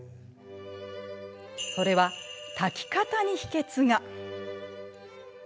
それは、炊き方に秘けつが。